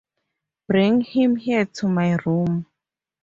Bring him here to my room.